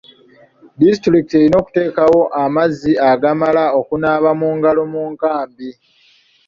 Disitulikiti erina okuteekawo amazzi agamala okunaaba mu ngalo mu nkambi.